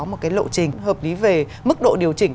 một cái lộ trình hợp lý về mức độ điều chỉnh